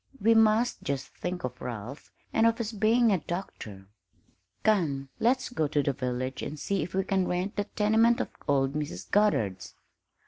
"We must just think of Ralph and of his being a doctor. Come, let's go to the village and see if we can rent that tenement of old Mrs. Goddard's."